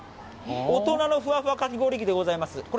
大人のふわふわかき氷器でございます。